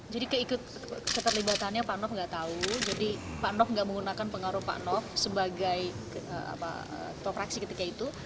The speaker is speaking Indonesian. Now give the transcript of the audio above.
jadi keikut keterlibatannya pak nof nggak tahu jadi pak nof nggak menggunakan pengaruh pak nof sebagai topraksi ketika itu